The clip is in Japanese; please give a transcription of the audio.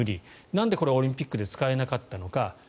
なんでこれ、オリンピックで使えなかったのか。